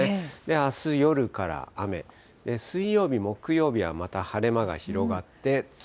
あす夜から雨、水曜日、木曜日はまた晴れ間が広がって、次。